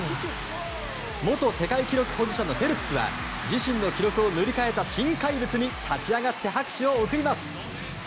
元世界記録保持者のフェルプスは自身の記録を塗り替えた新怪物に立ち上がって拍手を送ります。